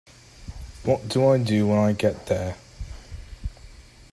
What do I do when I get there?